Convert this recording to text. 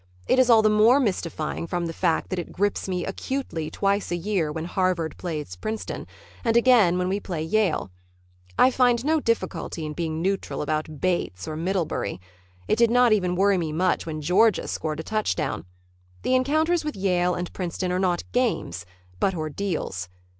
It is all the more mystifying from the fact that it grips me acutely twice a year when Harvard plays Princeton, and again when we play Yale. I find no difficulty in being neutral about Bates of Middlebury. It did not even worry me much when Georgia scored a touchdown. The encounters with Yale and Princeton are not games but ordeals.